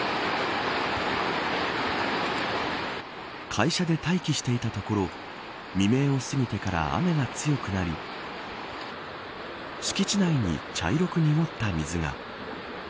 会社で待機していたところ未明を過ぎてから雨が強くなり敷地内に茶色く濁った水が。